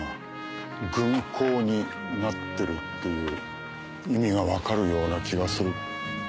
軍港になってるっていう意味が分かるような気がする。